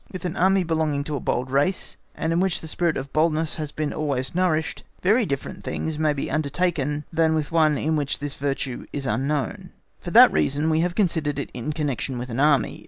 With an Army belonging to a bold race, and in which the spirit of boldness has been always nourished, very different things may be undertaken than with one in which this virtue, is unknown; for that reason we have considered it in connection with an Army.